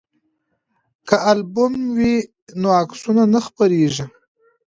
که البوم وي نو عکسونه نه خپریږي.